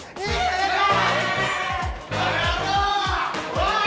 おい！